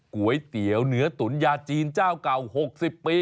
ก๋วยเตี๋ยวเนื้อตุ๋นยาจีนเจ้าเก่า๖๐ปี